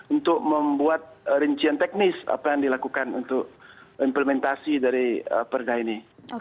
untuk membuat rincian teknis apa yang dilakukan untuk implementasi dari perda ini